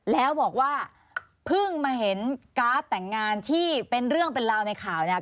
แล้วบอกว่าเพิ่งมาเห็นการ์ดแต่งงานที่เป็นเรื่องเป็นราวในข่าวเนี่ย